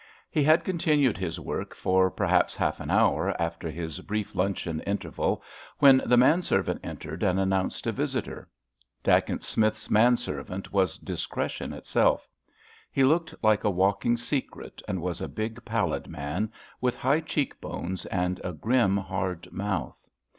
He had continued his work for, perhaps, half an hour after his brief luncheon interval when the man servant entered and announced a visitor. Dacent Smith's man servant was discretion itself. He looked like a walking secret, and was a big, pallid man, with high cheek bones and a grim, hard mouth.